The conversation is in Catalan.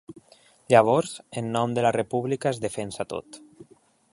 Llavors, en nom de la república es defensa tot.